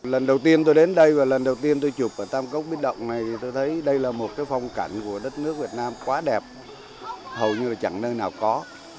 lần đầu tiên tôi đến đây và lần đầu tiên tôi chụp ở tam cốc bích động này tôi thấy đây là một phong cảnh của đất nước việt nam quá đẹp hầu như là chẳng nơi nào có